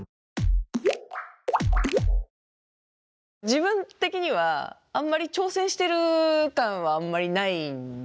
自分的にはあんまり挑戦してる感はないんですよね。